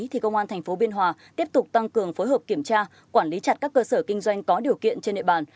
thì công an tp biên hòa tiếp tục tăng cường phối hợp kiểm tra quản lý chặt các cơ sở kinh doanh có điều kiện trên địa bàn